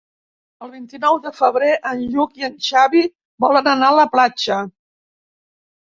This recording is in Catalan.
El vint-i-nou de febrer en Lluc i en Xavi volen anar a la platja.